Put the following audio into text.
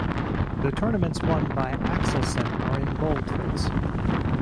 The tournaments won by Axelsen are in boldface.